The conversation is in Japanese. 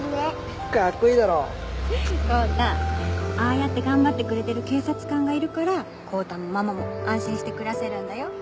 ああやって頑張ってくれてる警察官がいるから光太もママも安心して暮らせるんだよ。